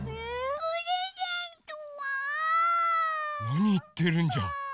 なにいってるんジャ。